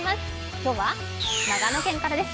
今日は長野県からです。